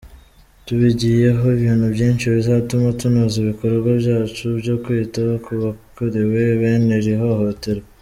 Tubigiyeho ibintu byinshi bizatuma tunoza ibikorwa byacu byo kwita ku bakorewe bene iri hohoterwa.